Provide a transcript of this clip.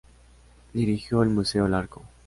Dirigió el Museo Larco.